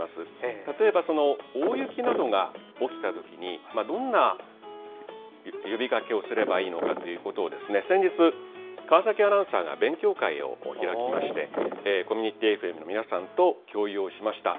例えば大雪などが起きた時にどんな呼びかけをすればいいかを先日、川崎アナウンサーが勉強会を開きましてコミュニティＦＭの皆さんと共有しました。